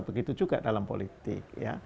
begitu juga dalam politik